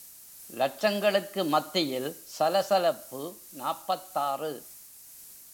லட்சங்களுக்கு மத்தியில் சலசலப்பு நாற்பத்தாறு.